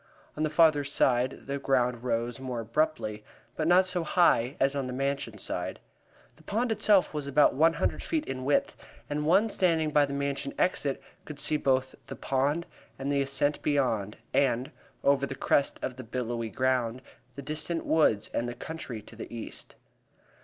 On the farther side the ground rose more abruptly, but not so high as on the Mansion side. The pond itself was about one hundred feet in width; and one standing by the Mansion exit could see both the pond and the ascent beyond, and, over the crest of the billowy ground, the distant woods and the country to the east.